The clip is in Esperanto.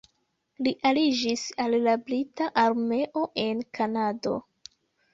Li aliĝis al la brita armeo en Kanado.